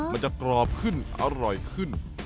มันจะกรอบขึ้นอร่อยขึ้น